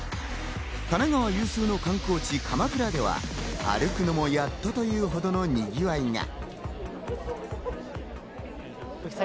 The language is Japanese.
神奈川有数の観光地、鎌倉では歩くのもやっとというほどのにぎわいが。